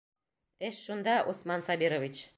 Эш шунда, Усман Сабирович...